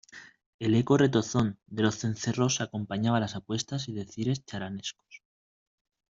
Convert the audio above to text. el eco retozón de los cencerros acompañaba las apuestas y decires chalanescos